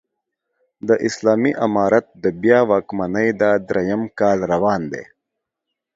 د اسلامي امارت د بيا واکمنۍ دا درېيم کال روان دی